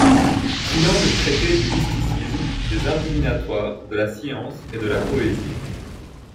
Triangle traitait du mysticisme, des arts divinatoires, de la science et de la poésie.